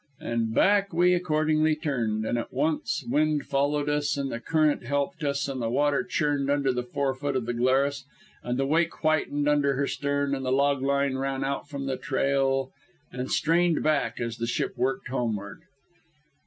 And back we accordingly turned, and at once the wind followed us, and the "current" helped us, and the water churned under the forefoot of the Glarus, and the wake whitened under her stern, and the log line ran out from the trail and strained back as the ship worked homeward.